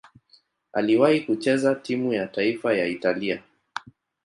Aliwahi kucheza timu ya taifa ya Italia.